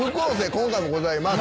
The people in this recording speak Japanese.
今回もございます。